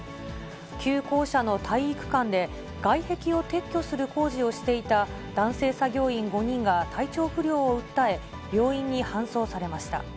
旧校舎の体育館で外壁を撤去する工事をしていた男性作業員５人が体調不良を訴え、病院に搬送されました。